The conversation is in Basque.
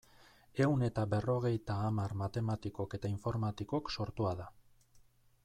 Ehun eta berrogeita hamar matematikok eta informatikok sortua da.